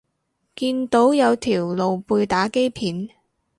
見到有條露背打機片